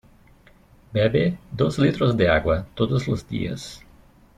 Bebe dos litros de agua, todos los días.